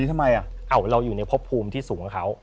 ที่อยู่ข้างพี่นุ่มอ่ะ